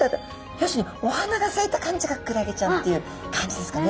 要するにお花がさいた感じがクラゲちゃんっていう感じですかね。